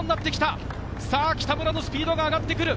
さぁ北村のスピードが上がってくる。